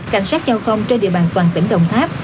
cảnh sát giao thông trên địa bàn toàn tỉnh đồng tháp